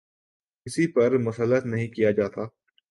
کسی پر مسلط نہیں کیا جاتا۔